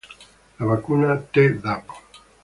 La vacuna Tdap